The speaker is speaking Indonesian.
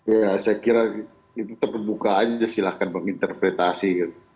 ya saya kira itu terbuka aja silahkan menginterpretasi